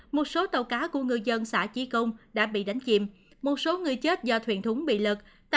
một số tàu cá của ngư dân xã chi công đã bị đánh chìm một số người chết do thuyền thúng bị lật